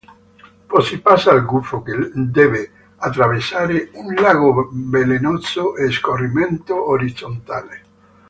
Poi si passa al gufo che deve attraversare un lago velenoso a scorrimento orizzontale.